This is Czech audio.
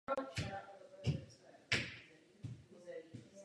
Velmi užitečnou vlastností je modelace terénu.